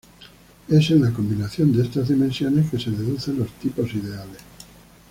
Es en la combinación de estas dimensiones que se deducen los tipos ideales.